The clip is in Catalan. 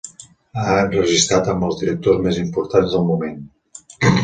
Ha enregistrat amb els directors més importants del moment.